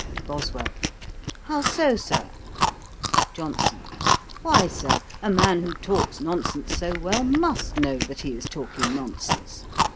BOSWELL. 'How so, Sir?' JOHNSON. 'Why, Sir, a man who talks nonsense so well, must know that he is talking nonsense.